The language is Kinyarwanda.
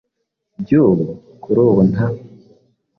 by’ubu? Kuri ubu nta